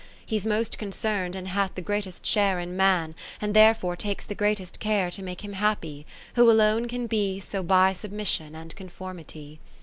He's most concern'd, and hath the greatest share In Man, and therefore takes the greatest care To make him happy, who alone can be So by submission and conformity.